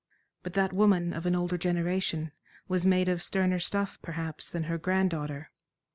But that woman of an older generation was made of sterner stuff, perhaps, than her grand daughter.